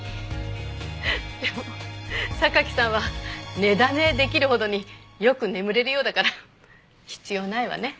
でも榊さんは寝だめできるほどによく眠れるようだから必要ないわね。